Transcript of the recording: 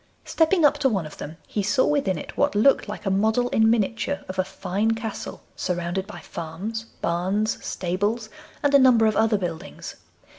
Stepping up to one of them, he saw within it what looked like a model in miniature of a fine castle surrounded by farms, barns, stables, and a number of other buildings.